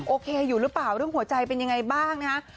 โอเคอยู่หรือเปล่าเรื่องหัวใจเป็นยังไงบ้างนะฮะ